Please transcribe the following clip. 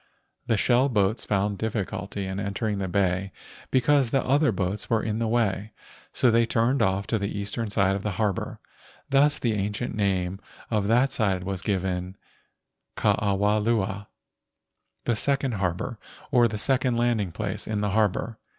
The shell boats found difficulty in entering the bay because the other boats were in the way. So they turned off to the eastern side of the harbor. Thus the ancient name of that side was given Ke awa lua (the second harbor, or the second landing place in the harbor).